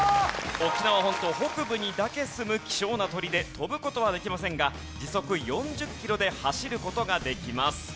沖縄本島北部にだけすむ希少な鳥で飛ぶ事はできませんが時速４０キロで走る事ができます。